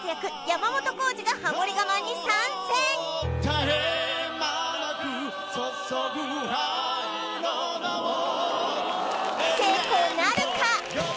山本耕史がハモリ我慢に参戦成功なるか？